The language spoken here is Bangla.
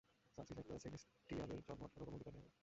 সার্সি, একটা সেলেস্টিয়ালের জন্ম আটকানোর কোন অধিকার নেই আমাদের।